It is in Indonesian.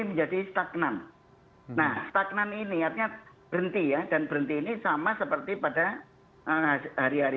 menjadi stagnan nah stagnan ini artinya berhenti ya dan berhenti ini sama seperti pada hari hari